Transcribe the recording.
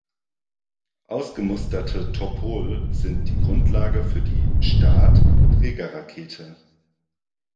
Ausgemusterte Topol sind die Grundlage für die "Start"-Trägerrakete.